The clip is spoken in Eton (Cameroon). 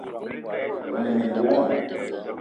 Ane mininga womo